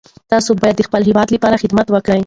تاسو باید د خپل هیواد لپاره خدمت وکړئ.